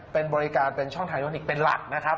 เป็นบริการเป็นช่องทางยูนิคเป็นหลักนะครับ